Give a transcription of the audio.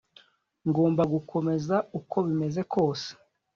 ngomba gukomeza uko bimeze kose